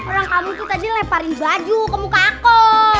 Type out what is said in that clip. orang kamu tuh tadi leparin baju ke muka aku